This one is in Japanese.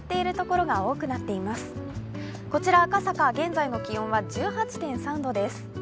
こちら赤坂、現在の気温は１８．３度です。